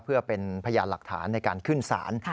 เพื่อเป็นพยานหลักฐานในการขึ้นศาล